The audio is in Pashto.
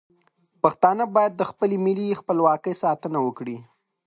پښتانه باید د خپل ملي خپلواکۍ ساتنه وکړي.